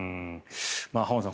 浜田さん